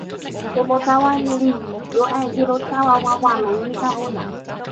tomo tawa ni li jo e ilo tawa wawa lon insa ona.